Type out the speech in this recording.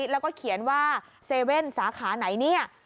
แล้วก็เขียนว่าเซเว่นสาขาไหนเนี่ย